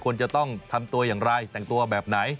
ควรจะต้องทำตัวอย่างไรแต่งตัวแบบไหน